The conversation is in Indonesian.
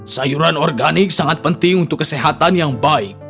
sayuran organik sangat penting untuk kesehatan yang baik